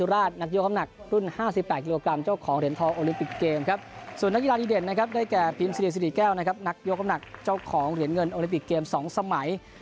รางวัลที่เหลือก็มีไฮไลท์นะครับสำคัญไม่แพ้กับรางวัลก่อนหน้านี้